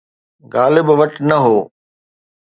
غالب وٽ نه هو.